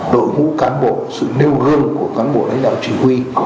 đội ngũ cán bộ sự nêu gương của cán bộ lãnh đạo chỉ huy